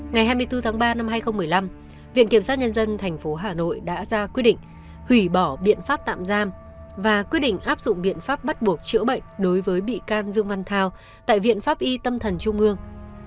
ngày hai mươi bốn tháng ba năm hai nghìn một mươi năm viện kiểm sát nhân dân tp hà nội đã ra quyết định hủy bỏ biện pháp tạm giam và quyết định áp dụng biện pháp bắt buộc chữa bệnh đối với bị can dương văn thao tại viện pháp y tâm thần trung ương